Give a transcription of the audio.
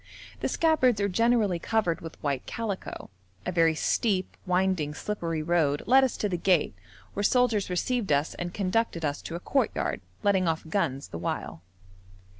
The scabbards are generally covered with white calico. A very steep, winding, slippery road led us to the gate, where soldiers received us and conducted us to a courtyard, letting off guns the while.